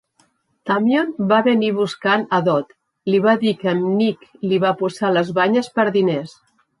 Damion va venir buscant a Dot, li va dir que Nick li va posar les banyes per diners.